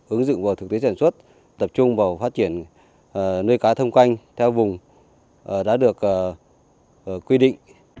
ứng dụng vào thực tế sản xuất tập trung vào phát triển nuôi cá thông quanh theo vùng đã được quy định